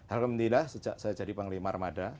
alhamdulillah sejak saya jadi panglima armada